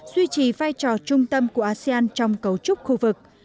duy trì vai trò trung tâm của asean trong cấu trúc khu vực